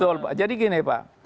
betul pak jadi gini pak